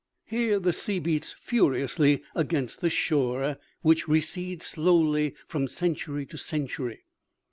Here, the sea beats furiously against the shore, which recedes slowly from century to century.